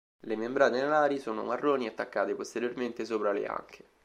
Le membrane alari sono marroni e attaccate posteriormente sopra le anche.